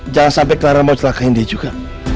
jangan sampai clara mau selakain dia juga